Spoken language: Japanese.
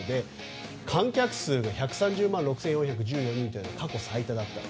観客数の１３０万６４１４人は過去最多だったと。